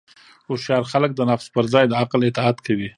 هوښیار خلک د نفس پر ځای د عقل اطاعت کوي.